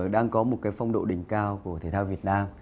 đang có một cái phong độ đỉnh cao của thể thao việt nam